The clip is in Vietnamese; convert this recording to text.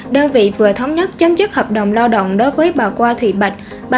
đơn vị vừa thống nhất chấm dứt hợp đồng lao động đối với bà qua thị bạch